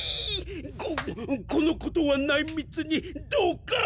ここのことは内密にどうか！